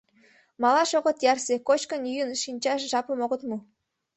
Малаш огыт ярсе, кочкын-йӱын шинчаш жапым огыт му.